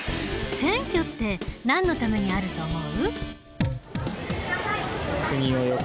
選挙ってなんのためにあると思う？